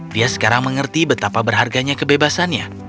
dia sekarang mengerti betapa berharganya kebebasannya